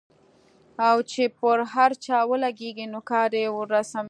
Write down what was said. او چې پر هر چا ولګېږي نو کار يې ورسموي.